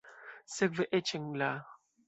Sekve eĉ en la.